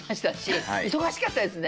忙しかったですね